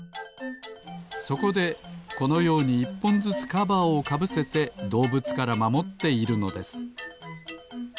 そこでこのように１ぽんずつカバーをかぶせてどうぶつからまもっているのです。